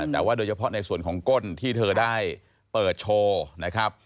แต่ว่าโดยเฉพาะในส่วนของก้นที่เธอได้เปิดโชว์นะครับ